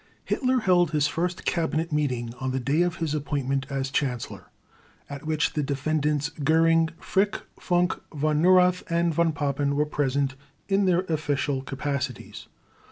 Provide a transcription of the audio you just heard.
Hitler held his first Cabinet meeting on the day of his appointment as Chancellor, at which the Defendants Göring, Frick, Funk, Von Neurath, and Von Papen were present in their official capacities.